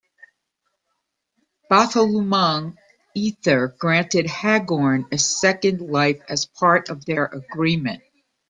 Bathalumang Ether granted Hagorn a second life as part of their agreement.